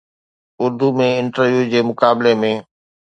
Urdu ۾ interview جي مقابلي ۾